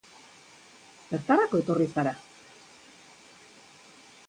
Zertarako etorri zara?